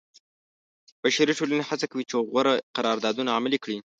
بشري ټولنې هڅه کوي چې غوره قراردادونه عملي کړي.